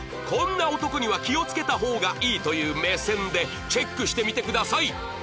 こんな男には気をつけた方がいいという目線でチェックしてみてください